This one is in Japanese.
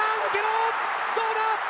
どうだ。